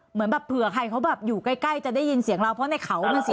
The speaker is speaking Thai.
เหมือนแบบเผื่อใครเขาแบบอยู่ใกล้จะได้ยินเสียงเราเพราะในเขามันเสียง